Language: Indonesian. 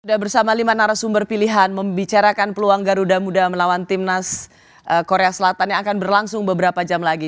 sudah bersama lima narasumber pilihan membicarakan peluang garuda muda melawan timnas korea selatan yang akan berlangsung beberapa jam lagi